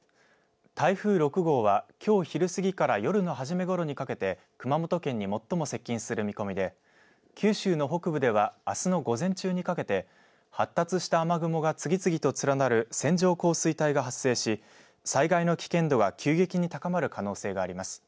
台風６号はきょう昼過ぎから夜の初めごろにかけて熊本県に最も接近する見込みで九州の北部では、あすの午前中にかけて発達した雨雲が次々と連なる線状降水帯が発生し災害の危険度が急激に高まる可能性があります。